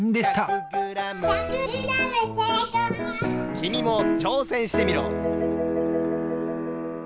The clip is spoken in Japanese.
きみもちょうせんしてみろ！